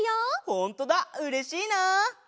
ほんとだうれしいな！